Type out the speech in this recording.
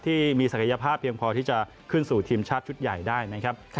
ที่มีศักยภาพเพียงพอที่จะขึ้นสู่ทีมชาติชุดใหญ่ได้นะครับ